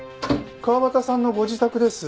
川端さんのご自宅です。